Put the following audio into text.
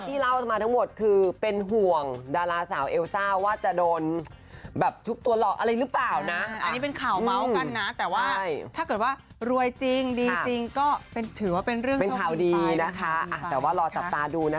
นี่ฉันบอกเลยว่าอะไรที่เด่นที่สุดเป็นใบหน้าเค้านะ